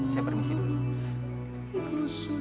saya permisi dulu